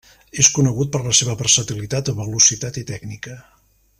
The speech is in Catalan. És conegut per la seva versatilitat, velocitat i tècnica.